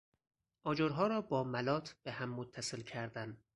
آجرها را با ملاط به هم متصل کردن